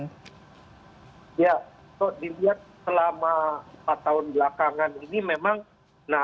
ya itu dilihat selama empat tahun belakangan